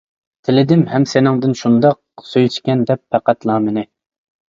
تىلىدىم ھەم سېنىڭدىن شۇنداق، سۆيسىكەن دەپ پەقەتلا مېنى.